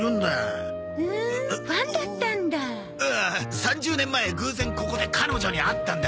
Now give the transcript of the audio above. ３０年前偶然ここで彼女に会ったんだ。